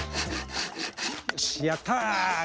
よしやった！